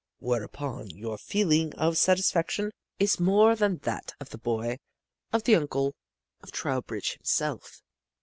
Whereupon your feeling of satisfaction is more than that of the boy, of the uncle, of Trowbridge himself.